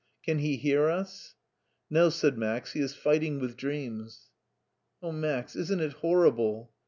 Can he hear us ?'^ No," said Max ;" he is fighting with dreams.*' Oh, Max, isn't it horrible